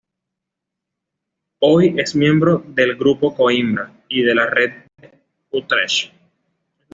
Hoy es miembro del Grupo Coimbra y de la Red de Utrecht.